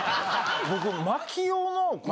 僕。